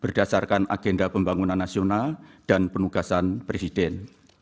berdasarkan agenda pembangunan nasional dan penugasan presiden